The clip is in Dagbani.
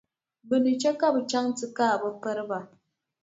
Bɛ ni che ka bɛ chaŋ nti kaai bɛ piriba.